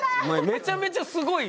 めちゃめちゃすごいよ。